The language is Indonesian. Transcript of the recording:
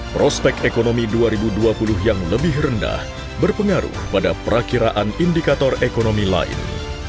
prospek ekonomi dua ribu dua puluh yang lebih rendah berpengaruh pada perakiraan indikator ekonomi lain